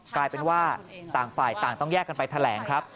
กลายเป็นว่าต่างฝ่ายต่างต้องแยกกันไปแถลงครับ